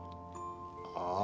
ああ。